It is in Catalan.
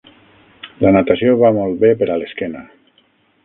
La natació va molt bé per a l'esquena.